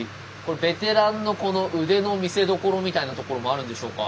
ベテランの腕の見せどころみたいなところもあるんでしょうか。